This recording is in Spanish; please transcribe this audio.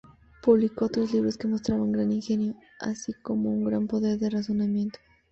Publicó otros libros que mostraban gran ingenio, así como un gran poder de razonamiento.